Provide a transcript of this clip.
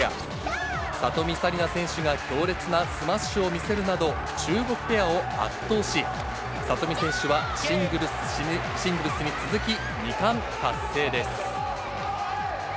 紗李奈選手が強烈なスマッシュを見せるなど、中国ペアを圧倒し、里見選手はシングルスに続き２冠達成です。